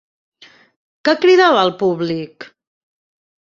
Què cridava el públic?